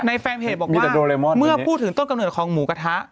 ในแฟมเพจบอกว่าเมื่อพูดถึงต้นเกิดของหมูกระทะ